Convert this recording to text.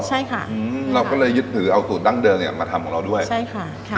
ใช่ค่ะอืมเราก็เลยยึดถือเอาสูตรดั้งเดิมเนี้ยมาทำของเราด้วยใช่ค่ะค่ะ